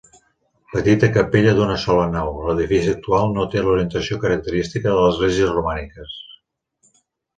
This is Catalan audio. Petita capella d'una sola nau, l'edifici actual no té l'orientació característica de les esglésies romàniques.